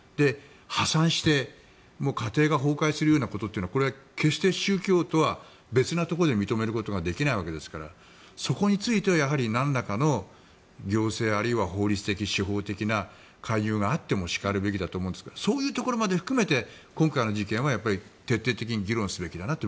破産して、家庭が崩壊するようなことというのはこれ、決して宗教とは別なところで認めることができないわけですからそこについてはなんらかの行政あるいは法律的、司法的な介入があってしかるべきだと思うんですがそういうところまで含めて今回の事件は徹底的に議論すべきだなって